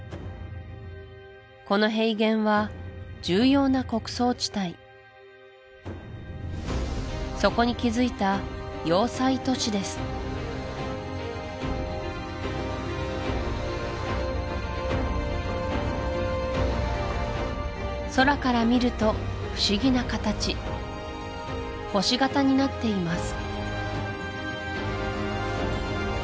この平原は重要な穀倉地帯そこに築いた要塞都市です空から見ると不思議な形星形になっています